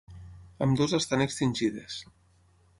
Ambdues estan extingides.